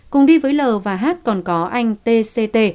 cùng đi với l và h còn có anh t c t